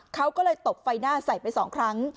เขาก็เลยตบไฟหน้าใส่ไป๒ครั้ง